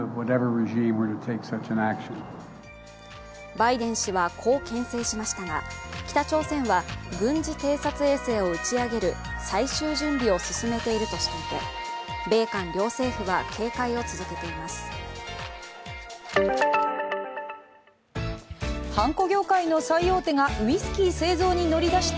バイデン氏はこうけん制しましたが北朝鮮は軍事偵察衛星を打ち上げる最終準備を進めているとしていて、米韓両政府は、警戒を続けていますつらい生理痛しょうがないって思っていませんか？